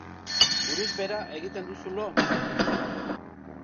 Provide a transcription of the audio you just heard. Buruz behera egiten duzu lo?